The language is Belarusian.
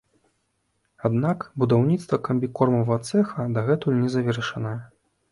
Аднак будаўніцтва камбікормавага цэха дагэтуль не завершанае.